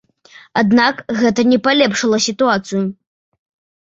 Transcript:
Аднак гэта не палепшыла сітуацыю.